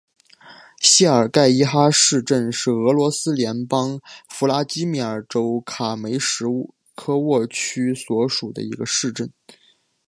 谢尔盖伊哈市镇是俄罗斯联邦弗拉基米尔州卡梅什科沃区所属的一个市镇。